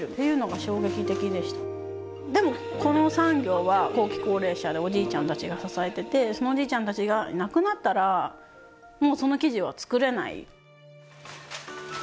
でもこの産業は後期高齢者でおじいちゃんたちが支えててそのおじいちゃんたちがいなくなったらもうその生地は作れない。